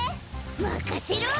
まかせろ！